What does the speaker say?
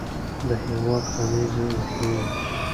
د هیواد غمیزه اوږدوي.